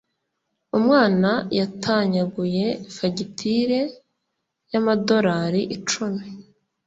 Umwana yatanyaguye fagitire y'amadorari icumi.